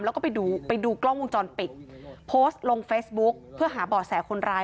แล้วก็ไปดูไปดูกล้องวงจรปิดโพสต์ลงเฟซบุ๊คเพื่อหาบ่อแสคนร้าย